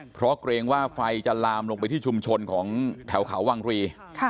เพราะเกรงว่าไฟจะลามลงไปที่ชุมชนของแถวเขาวังรี